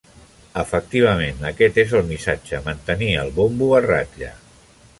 Efectivament, aquest és el missatge: mantenir el bombo a ratlla.